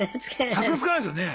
さすがに使えないですよね。